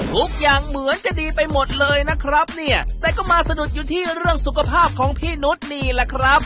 ทุกอย่างเหมือนจะดีไปหมดเลยนะครับเนี่ยแต่ก็มาสะดุดอยู่ที่เรื่องสุขภาพของพี่นุษย์นี่แหละครับ